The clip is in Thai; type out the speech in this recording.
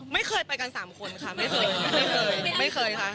ไม่เคยไปกัน๓คนค่ะไม่เคย